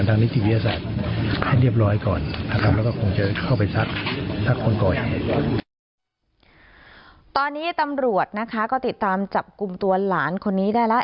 ตอนนี้ตำรวจนะคะก็ติดตามจับกลุ่มตัวหลานคนนี้ได้แล้ว